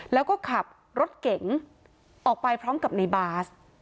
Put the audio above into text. แล้วก็ขับรถเก๋งออกไปพร้อมกับในบาส